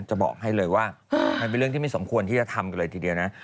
จะบอกให้เลยว่ามันเป็นเรื่องที่ไม่สมควรที่จะทำกันเลยทีเดียวนะ